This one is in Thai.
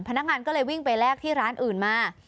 พนักงานก็เลยวิ่งไปแลกที่ร้านอื่นมา